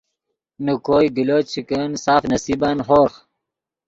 نے کوئے گلو چے کن سف نصیبن ہورغ